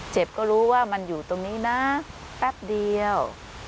ก็รู้ว่ามันอยู่ตรงนี้นะแป๊บเดียว